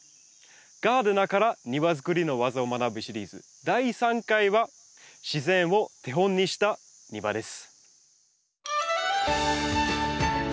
ガーデナーから庭づくりの技を学ぶシリーズ第３回は自然を手本にした庭です。